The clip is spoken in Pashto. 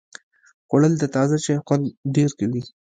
خوړل د تازه چای خوند ډېر کوي